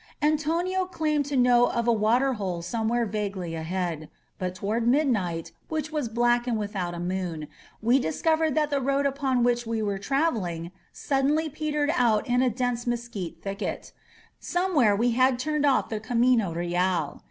Antonio claimed to know of a water hole somewhere vaguely ahead. But toward midnight, which was black and without moon, we discovered that the road upon which we were traveling suddenly petered out in a dense mesquite thicket. Somewhere we had turned off the Camino Real.